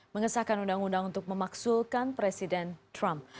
mengesahkan undang undang untuk memaksulkan presiden trump